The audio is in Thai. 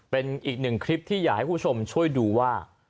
เป็นอีกหนึ่งคลิปที่อยากให้คุณผู้ชมช่วยดูว่า